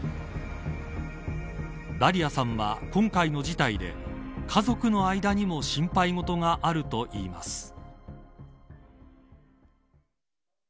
ダリアさんは、今回の事態で家族の間にも心配事があるといいます。